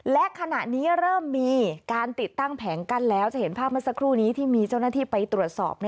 และขณะนี้เริ่มมีการติดตั้งแผงกั้นแล้วจะเห็นภาพเมื่อสักครู่นี้ที่มีเจ้าหน้าที่ไปตรวจสอบ